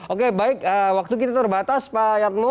oke baik waktu kita terbatas pak yatmo